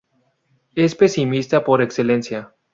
Es pesimista por excelencia.